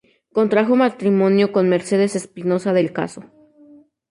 Contrajo matrimonio con Mercedes Espinosa del Caso.